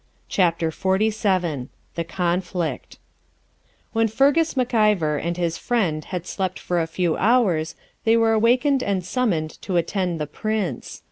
CHAPTER XLVII THE CONFLICT When Fergus Mac Ivor and his friend had slept for a few hours, they were awakened and summoned to attend the Prince.